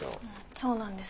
そうなんです。